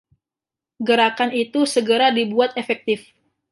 Gerakan itu segera dibuat efektif.